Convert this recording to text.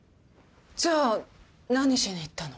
じゃあ何しに行ったの？